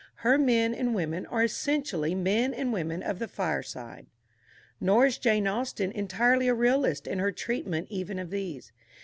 Her men and women are essentially men and women of the fireside. Nor is Jane Austen entirely a realist in her treatment even of these.